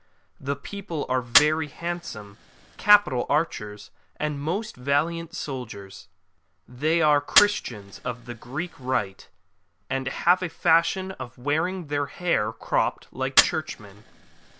The people are very handsome, capital archers, and most valiant soldiers. They are Christians of the Greek Rite, and have a fashion of wearing their hair cropped, like Churchmen.''